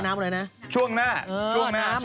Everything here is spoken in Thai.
น้ำหกหรอ